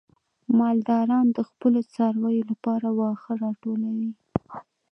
مالداران د خپلو څارویو لپاره واښه راټولوي.